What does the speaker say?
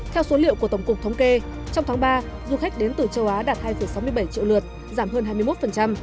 theo số liệu của tổng cục thống kê trong tháng ba du khách đến từ châu á đạt hai sáu mươi bảy triệu lượt giảm hơn hai mươi một